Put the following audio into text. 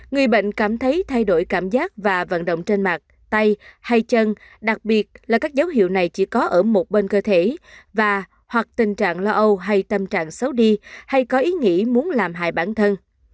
người bệnh cảm thấy thay đổi cảm giác và vận động trên mặt tay hay chân đặc biệt là các dấu hiệu này chỉ có ở một bên cơ thể và hoặc tình trạng lo âu hay tâm trạng xấu đi hay có ý nghĩa muốn làm hại bản thân